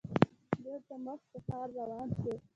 بېرته مخ په ښار روان شوو.